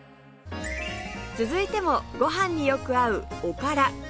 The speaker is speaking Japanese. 続いてもご飯によく合うおから